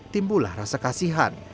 timbulah rasa kasihan